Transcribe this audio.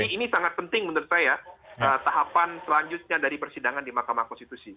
ini sangat penting menurut saya tahapan selanjutnya dari persidangan di mahkamah konstitusi